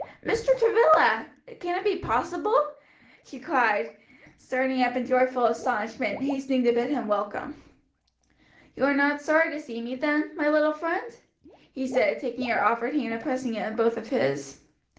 "Mr. Travilla! can it be possible!" she cried, starting up in joyful astonishment, and hastening to bid him welcome. "You are not sorry to see me then, my little friend?" he said, taking her offered hand and pressing it in both of his.